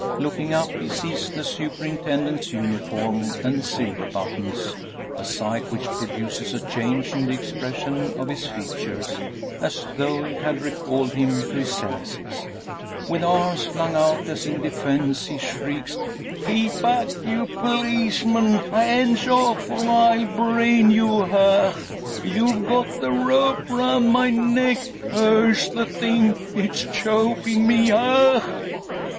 Looking up, he sees the superintendent's uniform and silver buttons; a sight which produces a change in the expression of his features, as though it had recalled him to his senses. With arms flung out as in defence, he shrieks: "Keep back, you policeman! Hands off, or I'll brain you! Hach! You've got the rope round my neck! Curse the thing! It's choking me. Hach!"